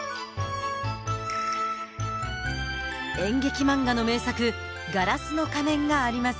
演劇漫画の名作「ガラスの仮面」があります。